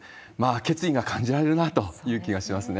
決意が感じられるなという気がしますね。